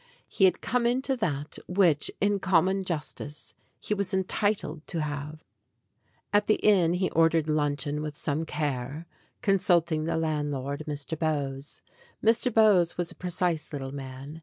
He had come into that which, in common justice, he was entitled to have. GREAT POSSESSIONS 21 At the inn he ordered luncheon with some care, consulting the landlord, Mr. Bowes. Mr. Bowes was a precise little man.